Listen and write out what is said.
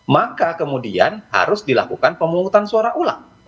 maka kemudian harus dilakukan pemungutan suara ulang